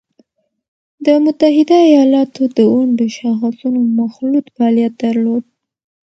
د متحده ایالاتو د ونډو شاخصونو مخلوط فعالیت درلود